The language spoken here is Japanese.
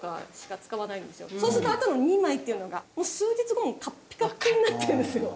そうするとあとの２枚っていうのがもう数日後カッピカピになってるんですよ。